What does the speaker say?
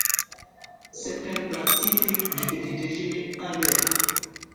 C’est un plat typique du petit déjeuner anglais.